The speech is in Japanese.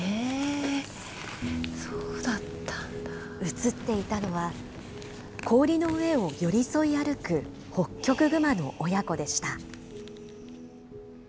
写っていたのは、氷の上を寄り添い歩くホッキョクグマの親子でした。